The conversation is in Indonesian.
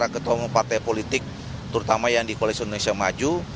ketua umum partai politik terutama yang di koalisi indonesia maju